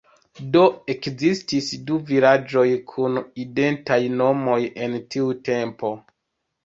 Do ekzistis du vilaĝoj kun identaj nomoj en tiu tempo.